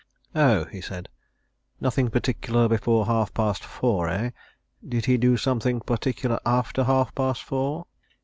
"Oh?" he said. "Nothing particular before half past four, eh? Did he do something particular after half past four?"